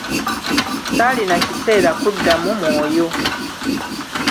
Saalina kiseera kuddamu mwoyo.